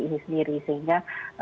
ini sendiri sehingga